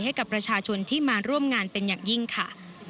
ให้กับประชาชนที่มาร่วมงานเป็นอย่างยิ่งค่ะ